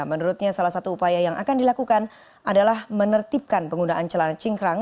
menurutnya salah satu upaya yang akan dilakukan adalah menertibkan penggunaan celana cingkrang